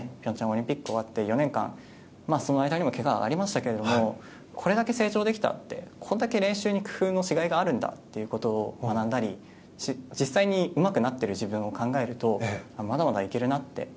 オリンピック終わってから４年間その間にもけがはありましたけどこれだけ成長できたこれだけ練習に工夫のしがいがあるんだって学んだり実際にうまくなっている自分を考えるとまだまだいけるなって。